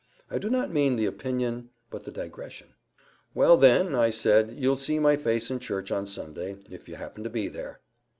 I do not mean the opinion, but the digression. "Well, then," I said, "you'll see my face in church on Sunday, if you happen to be there."